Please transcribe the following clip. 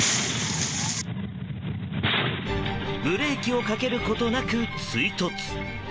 ブレーキをかけることなく追突。